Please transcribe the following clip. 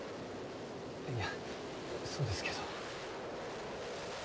いやそうですけど。